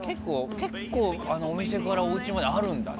結構、お店からおうちまであるんだね。